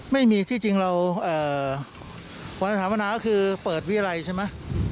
ไม่มีที่จริงเราวันสถาปนาก็คือเปิดวิรัยใช่ไหม